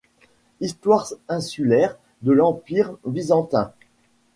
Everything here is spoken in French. Histoire insulaire de l’Empire byzantin.